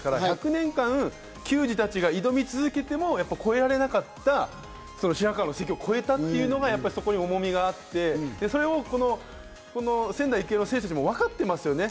１００年間、球児たちが挑み続けても越えられなかったその白河の関を越えたというのがそこに重みがあって、それを仙台育英の選手たちも分かってますよね。